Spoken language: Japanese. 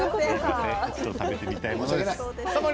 一度食べてみたいものです。